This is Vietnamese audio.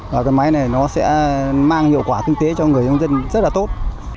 và cái máy này nó sẽ mang hiệu quả kinh tế cho người nông dân rất là tốt